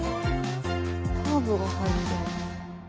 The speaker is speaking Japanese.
ハーブが入ってる。